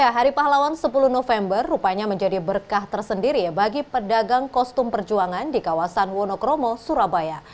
hari pahlawan sepuluh november rupanya menjadi berkah tersendiri bagi pedagang kostum perjuangan di kawasan wonokromo surabaya